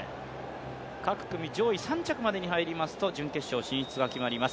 各組上位３着までに入りますと準決勝進出が決まります。